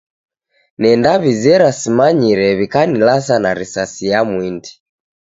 Nendaw'izera simanyire w'ikanilasa na risasi ya mwindi.